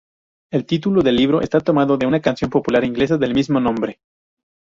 El título del libro está tomado de una canción popular inglesa del mismo nombre.